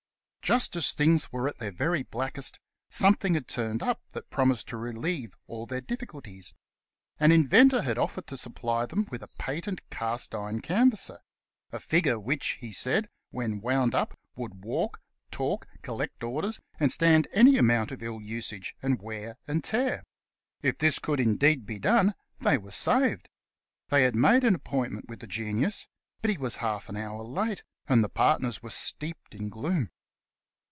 Just as things were at their very blackest, something had turned up that promised to relieve all their difficulties. An inventor had offered to supply them with a patent cast iron canvasser — a figure which (he said) when wound up would walk, talk, collect orders, and stand any amount of ill usage and wear and tear. If this could indeed be done, they were saved. They had made an appointment with the genius; but he was half an hour late, and the partners were steeped in gloom.